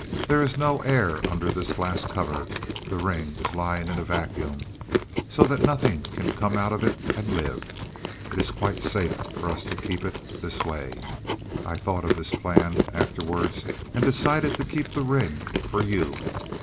There is no air under this glass cover; the ring is lying in a vacuum, so that nothing can come out of it and live. It is quite safe for us to keep it this way. I thought of this plan, afterwards, and decided to keep the ring for you."